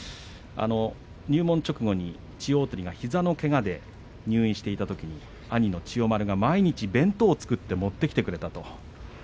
入門直後に千代鳳が膝のけがで入院していたときに兄の千代丸が毎日弁当を作って持ってきてくれたと。